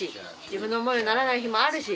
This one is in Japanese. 自分の思うようにならない日もあるし。